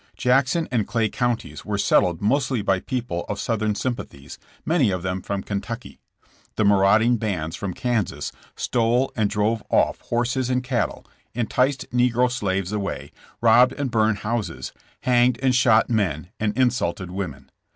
Jack son and Clay Counties were settled mostly by people of Southern sympathies, many of them from Ken tucky. The maurauding bands from Kansas stole and drove off horses and cattle, enticed negro slaves away, robbed and burned houses, hanged and shot men and insulted women.